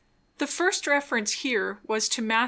The first reference here was to Mat.